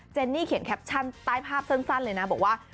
เนนี่เขียนแคปชั่นใต้ภาพสั้นเลยนะบอกว่า